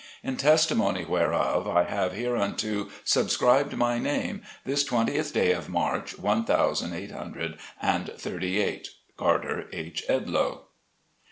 In testimony whereof, I have hereunto subscribed my name, this 20th day of March, One Thousand Eight Hundred and Thirty Eight. CARTER H. EDLOE.